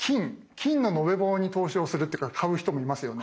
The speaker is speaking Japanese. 金の延べ棒に投資をするというか買う人もいますよね。